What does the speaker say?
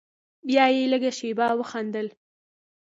بيا يې لږه شېبه وخندل.